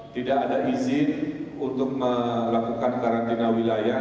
tidak ada izin untuk melakukan karantina wilayah